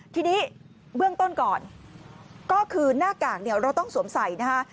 ทีนี้เบื้องต้นก่อนก็คือหน้ากากเนี่ยเราต้องสวมใส่นะคะ